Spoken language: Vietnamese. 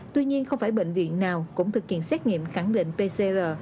tuy nhiên không phải bệnh viện nào cũng thực hiện xét nghiệm khẳng định pcr